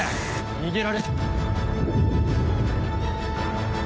逃げられ。